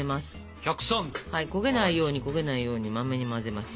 焦げないように焦げないようにマメに混ぜます。